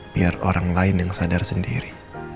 biar orang lain yang sadar sendiri